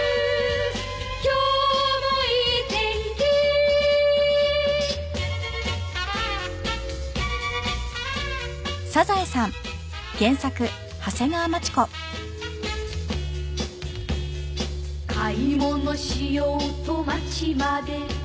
「今日もいい天気」「買い物しようと街まで」